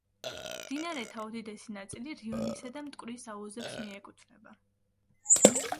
მდინარეთა უდიდესი ნაწილი რიონისა და მტკვრის აუზებს მიეკუთვნება.